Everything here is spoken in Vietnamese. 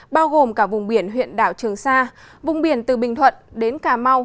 bao gồm cả vùng biển huyện đảo trường sa vùng biển từ bình thuận đến cà mau